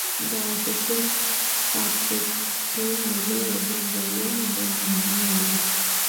দাস এসে পাত্রটি নিল এবং বলল—হে মনিব!